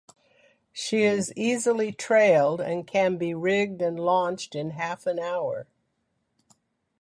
She is easily trailed and can be rigged and launched in half an hour.